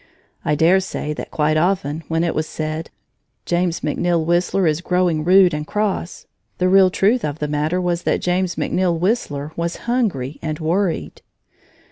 I dare say that quite often when it was said: "James McNeill Whistler is growing rude and cross," the real truth of the matter was that James McNeill Whistler was hungry and worried.